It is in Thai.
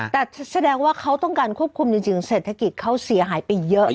แต่แสดงว่าเขาต้องการควบคุมจริงเศรษฐกิจเขาเสียหายไปเยอะ